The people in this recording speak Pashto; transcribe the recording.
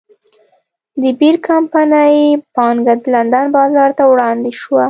د بیر کمپنۍ پانګه د لندن بازار ته وړاندې شوه.